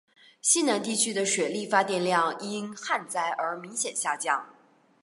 西南地区的水力发电量因旱灾而明显下降。